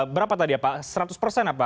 berapa tadi ya pak seratus persen apa